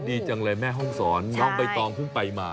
ดีจังเลยแม่ห้องศรน้องใบตองเพิ่งไปมา